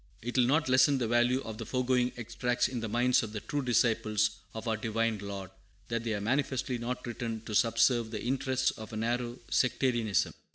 It will not lessen the value of the foregoing extracts in the minds of the true disciples of our Divine Lord, that they are manifestly not written to subserve the interests of a narrow sectarianism.